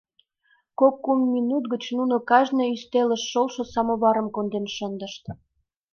Кок-кум минут гыч нуно кажне ӱстелыш шолшо самоварым конден шындышт.